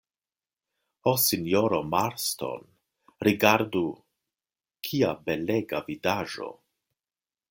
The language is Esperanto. Ho, sinjoro Marston, rigardu, kia belega vidaĵo!